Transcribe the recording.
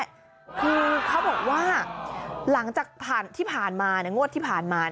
คือเขาบอกว่าหลังจากผ่านที่ผ่านมางวดที่ผ่านมา